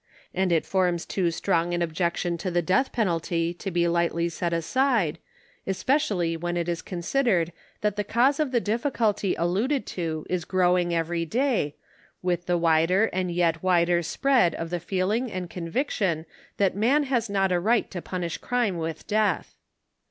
And it forms too strong an objection to the death pen alty to be lightly set aside, especially when it is considered that the cause of the difficulty alluded to is growing eyery day, with the wider and yet wider spread of the feeling and conviction that man has not a right to punish crime with death.